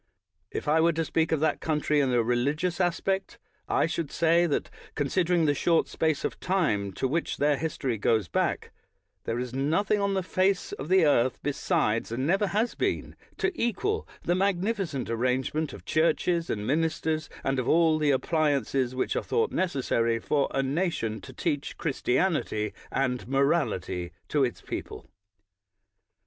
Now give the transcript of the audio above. If I were to speak of that country in a re ligious aspect, I should say that, considering the short space of time to which their history goes back, there is nothing on the face of the earth besides, and never has been, to equal the mag nificent arrangement of churches and ministers, and of all the appliances which are thought nec essary for a nation to teach Christianity and morality to its people.